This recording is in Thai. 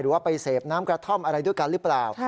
ว่าไปเสพน้ำกระท่อมอะไรด้วยกันหรือเปล่า